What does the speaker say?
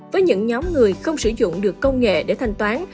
với những nhóm người không sử dụng được công nghệ để thanh toán